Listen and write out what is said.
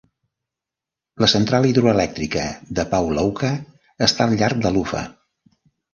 La central hidroelèctrica de Pavlovka està al llarg de l'Ufa.